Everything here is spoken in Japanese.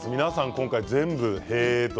今回全部、へえ、と。